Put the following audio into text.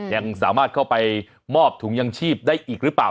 ยังสามารถเข้าไปมอบถุงยังชีพได้อีกหรือเปล่า